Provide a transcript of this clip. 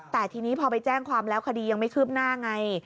แต่ทีนี้พอไปแจ้งความแล้วคดียังไม่คืบหน้าไง